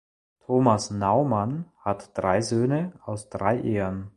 Thomas Naumann hat drei Söhne aus drei Ehen.